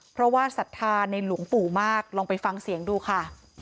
เพราะว่าศรัทธาในหลวงปู่มากลองไปฟังเสียงดูค่ะ